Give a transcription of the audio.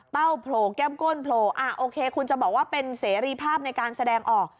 โผล่แก้มก้นโผล่โอเคคุณจะบอกว่าเป็นเสรีภาพในการแสดงออก